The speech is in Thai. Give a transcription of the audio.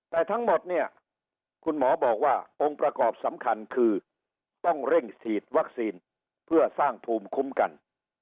แต่ทั้งหมดเนี่ยคุณหมอบอกว่าองค์ประกอบสำคัญคือต้องเร่งฉีดวัคซีนเพื่อสร้างภูมิคุ้มกัน